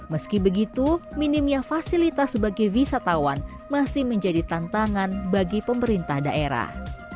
meski begitu minimnya fasilitas sebagai wisatawan masih menjadi tantangan bagi pemerintah daerah